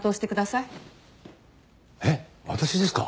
えっ私ですか？